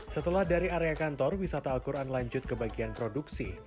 setelah dari area kantor wisata al quran lanjut ke bagian produksi